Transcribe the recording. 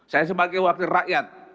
saya sebagai wakil rakyat